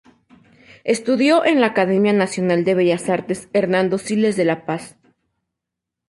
Estudió en la Academia Nacional de Bellas Artes Hernando Siles de La Paz.